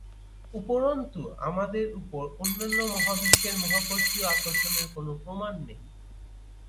উপরন্তু, আমাদের উপর অন্যান্য মহাবিশ্বের মহাকর্ষীয় আকর্ষণের কোন প্রমাণ নেই।